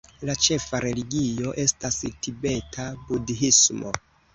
La ĉefa religio estas tibeta budhismo.